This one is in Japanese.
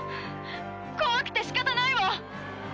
怖くてしかたないわ！